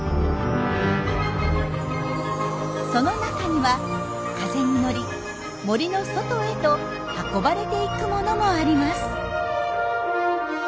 その中には風に乗り森の外へと運ばれていくものもあります。